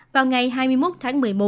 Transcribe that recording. vào ngày hai mươi một tháng một mươi một